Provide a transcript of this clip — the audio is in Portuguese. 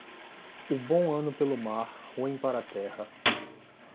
O bom ano pelo mar, ruim para a terra.